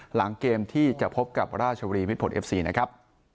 หลังเกมที่จะพบกับราชบุรีมิดผลเอฟซีนะครับ